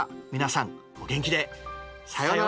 さようなら。